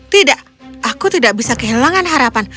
tidak aku tidak bisa kehilangan harapan